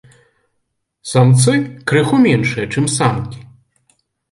Самцы крыху меншыя, чым самкі.